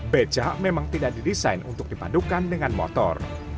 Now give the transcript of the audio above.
becak memang tidak didesain untuk dipadukan dengan motor